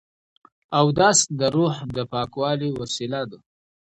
اودس د روح د پاکوالي وسیله ده.